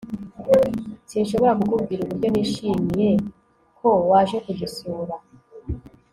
sinshobora kukubwira uburyo nishimiye ko waje kudusura